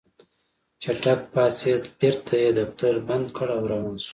چټک پاڅېد بېرته يې دفتر بند کړ او روان شو.